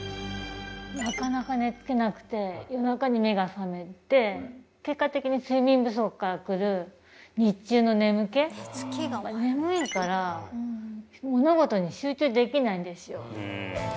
なかなか寝つけなくて夜中に目が覚めて結果的に睡眠不足からくる日中の眠気眠いから物事に集中できないんですよ